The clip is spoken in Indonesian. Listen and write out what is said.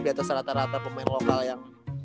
di atas rata rata pemain lokal yang